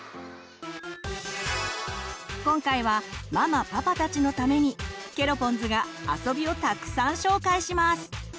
今回はママパパたちのためにケロポンズが遊びをたくさん紹介します！